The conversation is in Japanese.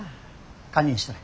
堪忍したれ。